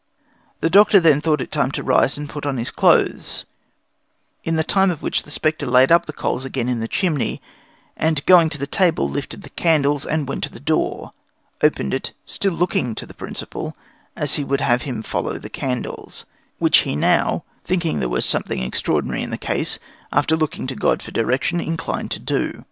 The doctor then thought it time to rise and put on his clothes, in the time of which the spectre laid up the coals again in the chimney, and, going to the table, lifted the candles and went to the door, opened it, still looking to the Principal, as he would have him following the candles, which he now, thinking there was something extraordinary in the case, after looking to God for direction, inclined to do.